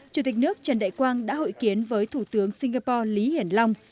chủ tịch nước trần đại quang đã hội kiến với thủ tướng singapore lý hiển long